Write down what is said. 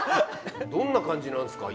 どんな感じなんですか？